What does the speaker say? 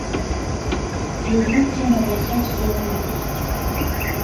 Le groupe tourne avec Red durant l'été.